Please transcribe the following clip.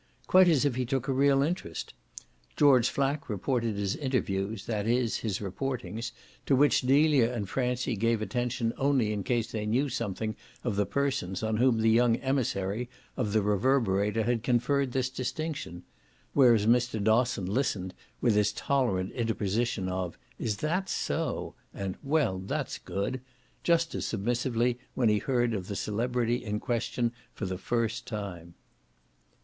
quite as if he took a real interest. George Flack reported his interviews, that is his reportings, to which Delia and Francie gave attention only in case they knew something of the persons on whom the young emissary of the Reverberator had conferred this distinction; whereas Mr. Dosson listened, with his tolerant interposition of "Is that so?" and "Well, that's good," just as submissively when he heard of the celebrity in question for the first time.